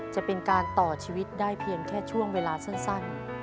จะเป็นการต่อชีวิตได้เพียงแค่ช่วงเวลาสั้น